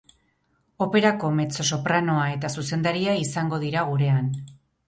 Operako mezzosopranoa eta zuzendaria izango dira gurean.